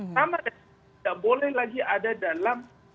sama dengan tidak boleh lagi ada dalam